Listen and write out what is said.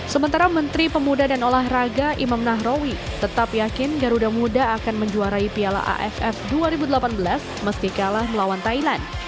sementara menteri pemuda dan olahraga imam nahrawi tetap yakin garuda muda akan menjuarai piala aff dua ribu delapan belas meski kalah melawan thailand